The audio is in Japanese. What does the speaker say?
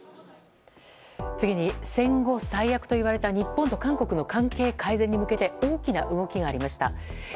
次に、戦後最悪と言われた日本と韓国の関係改善に向けて大きな動きがありました。